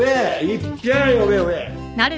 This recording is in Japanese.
いっぴゃー呼べ呼べ。